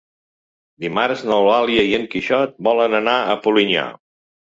Dimarts n'Eulàlia i en Quixot volen anar a Polinyà.